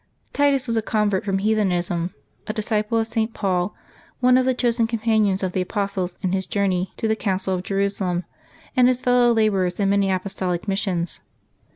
j^NiTUS was a convert from heathenism, a disciple of St. %^ Paul, one of the chosen companions of the Apostles in. his journey to the Council of Jerusalem, and his fellow laborers in many apostolic missions.